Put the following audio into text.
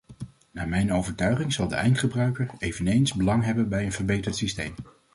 Naar mijn overtuiging zal de eindgebruiker eveneens belang hebben bij een verbeterd systeem.